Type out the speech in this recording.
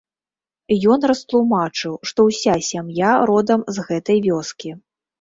Ён растлумачыў, што ўся сям'я родам з гэтай вёскі.